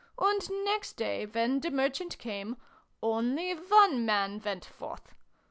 "And next day, when the Merchant came, only one Man went forth.